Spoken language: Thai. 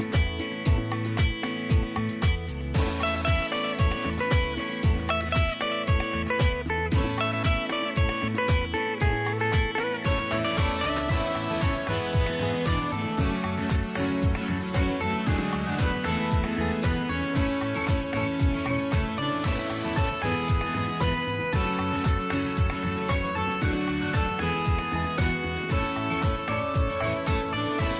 สวัสดีครับ